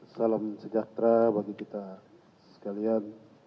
salam sejahtera bagi kita sekalian